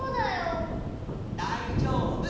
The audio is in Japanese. だいじょうぶ。